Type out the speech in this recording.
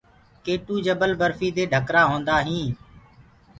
ڪي ٽو جبل برفيٚ دي ڍڪرآ هوندآ هينٚ۔